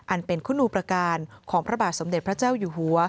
อันเป็นคุณูประการของพระบาทสมเด็จพระเจ้าอยู่หัว